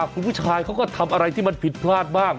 คุณผู้ชายเขาก็ทำอะไรที่มันผิดพลาดบ้าง